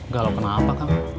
galau kenapa kang